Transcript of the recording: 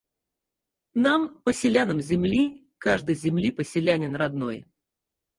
Нам, Поселянам Земли, каждый Земли Поселянин родной.